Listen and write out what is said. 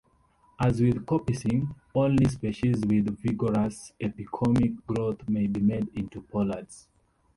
As with coppicing, only species with vigorous epicormic growth may be made into pollards.